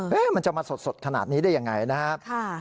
มันจะมาสดขนาดนี้ได้ยังไงนะครับ